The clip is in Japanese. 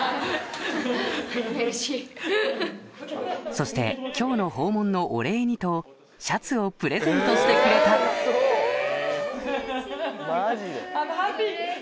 そして今日の訪問のお礼にとシャツをプレゼントしてくれたえ！